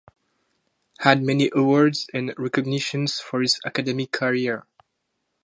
Had many awards and recognitions for his academic career.